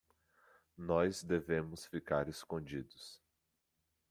Nós devemos ficar escondidos.